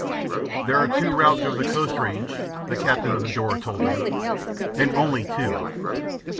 "There are two routes over the coast range," the captain of the Dora told them, "and only two.